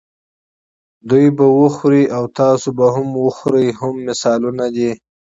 دوی به وخوري او تاسې به وخورئ هم مثالونه دي.